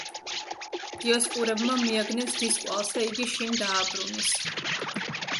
დიოსკურებმა მიაგნეს დის კვალს და იგი შინ დააბრუნეს.